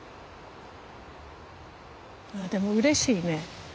でもうれしいね。